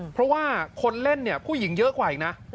เพราะว่าคนเล่นเนี่ยผู้หญิงเยอะกว่าอีกนะ